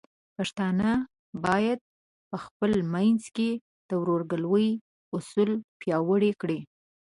پښتانه بايد په خپل منځ کې د ورورګلوۍ اصول پیاوړي کړي.